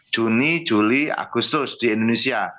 juni juli agustus di indonesia